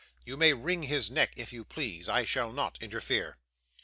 You may wring his neck if you please. I shall not interfere.